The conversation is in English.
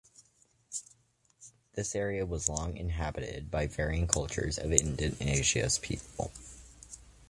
This area was long inhabited by varying cultures of indigenous peoples.